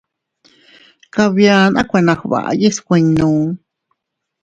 Kabia a kuena gbaʼa yiʼi skuinnu.